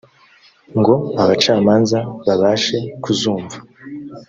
ngo abacamanza babashe kuzumva